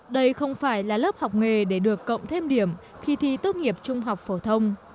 đây không phải là lớp học nghề để được cộng thêm điểm khi thi tốt nghiệp trung học phổ thông